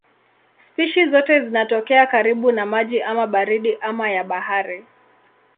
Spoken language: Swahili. Spishi zote zinatokea karibu na maji ama baridi ama ya bahari.